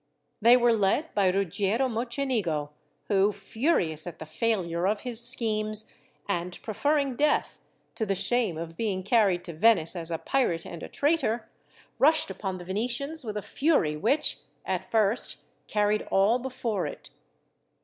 They were led by Ruggiero Mocenigo, who, furious at the failure of his schemes, and preferring death to the shame of being carried to Venice as a pirate and a traitor, rushed upon the Venetians with a fury which, at first, carried all before it.